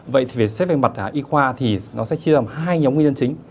vậy thì xét về mặt y khoa thì nó sẽ chia ra hai nhóm nguyên nhân chính